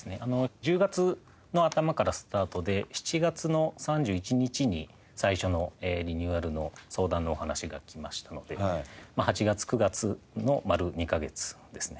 １０月の頭からスタートで７月の３１日に最初のリニューアルの相談のお話が来ましたのでまあ８月９月の丸２カ月ですね。